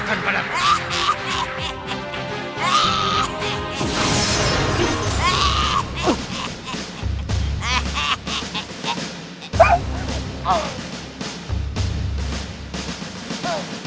mereka akan menang